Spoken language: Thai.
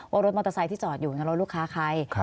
ว่ารถมอเตอร์ไซค์ที่จอดอยู่นั้นรถลูกค้าใคร